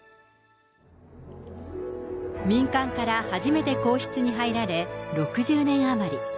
民間から初めて皇室に入られ、６０年余り。